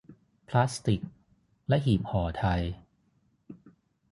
พลาสติค และหีบห่อไทย